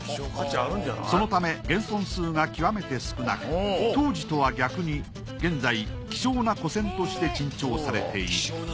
そのため現存数が極めて少なく当時とは逆に現在希少な古銭として珍重されている。